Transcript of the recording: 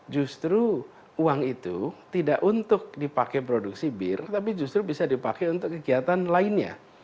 justru uang itu tidak untuk dipakai produksi bir tapi justru bisa dipakai untuk kegiatan lainnya